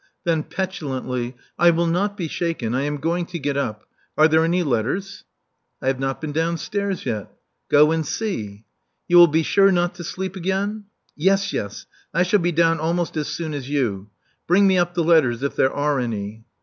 Then, petulantly I will not be shaken. I am going to get up. Are there any letters?" I have not been downstairs yet" Goandsee." You will be sure not to sleep again." Yes, yes. I shall be down almost as soon as you. Bring me up the letters, if there are any."